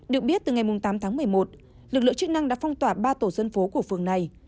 được biết từ ngày tám tháng một mươi một lực lượng chức năng đã phong tỏa ba tổ dân phố của phường này